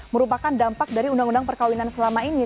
merupakan dampak dari undang undang perkawinan selama ini